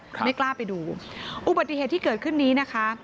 ไม่กล้าไปดูอุบัติเหตุที่เกิดขึ้นนี้นะคะ